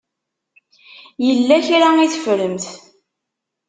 Yella kra i teffremt.